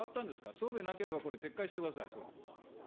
そうでなければこれ、撤回してください。